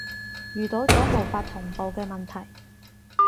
遇到咗無法同步嘅問題